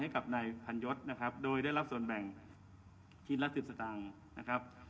ให้กับนายพันยศโดยได้รับส่วนแบ่งขี้ละ๑๐สตางค์